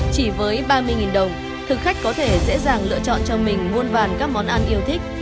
chỉ với ba mươi đồng thực khách có thể dễ dàng lựa chọn cho mình muôn vàn các món ăn yêu thích